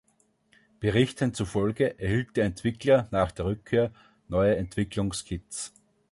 Berichten zufolge erhielt der Entwickler nach der Rückkehr neue Entwicklungskits.